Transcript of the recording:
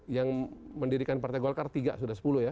yang mendirikan partai golkar tiga sudah sepuluh ya